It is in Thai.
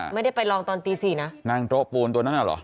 ไม่ได้ไปลองตอนตีสี่นะนั่งโต๊ะปูนตัวนั้นอ่ะเหรอ